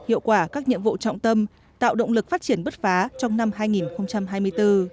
hiệu quả các nhiệm vụ trọng tâm tạo động lực phát triển bất phá trong năm hai nghìn hai mươi bốn